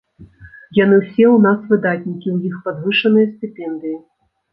Яны ўсе ў нас выдатнікі, у іх падвышаныя стыпендыі.